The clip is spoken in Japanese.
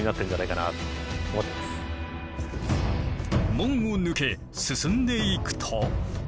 門を抜け進んでいくと。